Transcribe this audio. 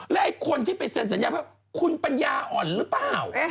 และไอ้คนที่ไปเซ็นสัญญาเพิ่มคุณปัญญาอ่อนหรือเปล่า